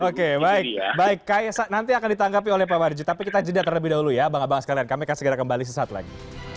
oke baik baik nanti akan ditanggapi oleh pak warji tapi kita jeda terlebih dahulu ya bang abang sekalian kami akan segera kembali sesaat lagi